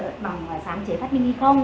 ví dụ có bằng sáng chế phát mini không